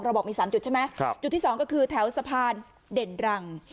บอกมี๓จุดใช่ไหมจุดที่สองก็คือแถวสะพานเด่นรัง